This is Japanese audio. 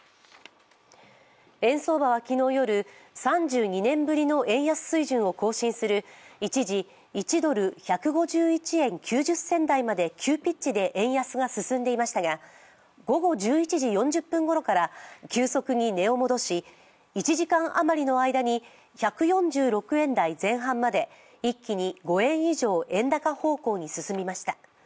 円相場は昨日夜３２年ぶりの円安水準を更新する一時１ドル＝１５１円９０銭台まで急ピッチで円安が進んでいましたが午後１１時４０分ごろから急速に値を戻し１時間余りの間に１４６円台前半まで一気に５円以上円高方向に進みました。